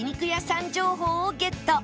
情報をゲット